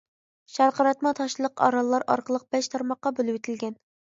شارقىراتما تاشلىق ئاراللار ئارقىلىق بەش تارماققا بۆلۈۋېتىلگەن.